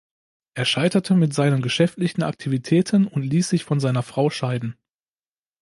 Er scheiterte mit seinen geschäftlichen Aktivitäten und ließ sich von seiner Frau scheiden.